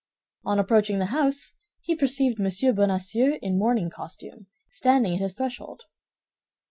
On approaching the house, he perceived M. Bonacieux in morning costume, standing at his threshold.